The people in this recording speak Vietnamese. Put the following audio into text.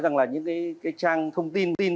rằng là những cái trang thông tin